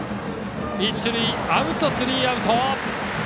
一塁アウトでスリーアウト。